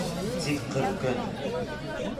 Тик ҡырҡ көн!